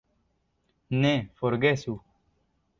Ne forgesu!